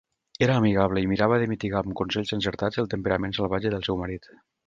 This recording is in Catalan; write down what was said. Era amigable i mirava de mitigar amb consells encertats el temperament salvatge del seu marit.